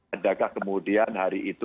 adakah kemudian hari itu